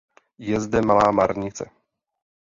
Je zde malá márnice.